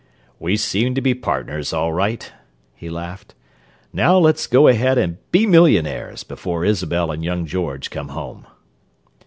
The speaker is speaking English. "We seem to be partners, all right," he laughed. "Now let's go ahead and be millionaires before Isabel and young George come home."